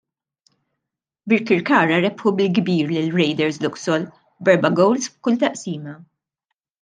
Birkirkara rebħu bil-kbir lil Raiders Luxol b'erba' gowls f'kull taqsima.